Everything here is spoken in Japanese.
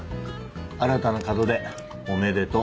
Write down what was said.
新たな門出おめでとう。